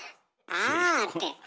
「あぁ」って。